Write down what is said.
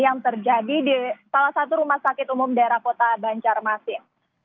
yang terjadi di salah satu rumah sakit umum daerah kota banjarmasin